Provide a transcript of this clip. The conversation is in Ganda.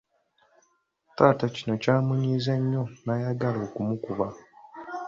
Taata kino kyamunyiiza nnyo n'ayagala okumukuba.